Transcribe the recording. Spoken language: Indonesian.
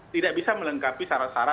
tidak bisa melengkapi syarat syarat